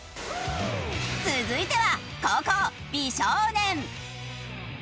続いては後攻美少年。